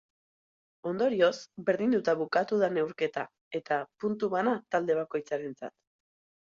Ondorioz, berdinduta bukatu da neurketa eta puntu bana talde bakoitzarentzat.